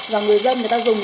rồi người dân người ta dùng